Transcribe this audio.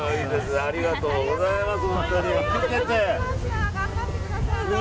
ありがとうございます。